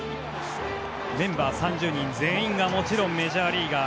メンバー３０人全員がもちろんメジャーリーガー。